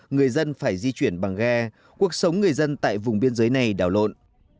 người dân phải di chuyển bằng ghe cuộc sống người dân tại vùng biên giới này đảo lộn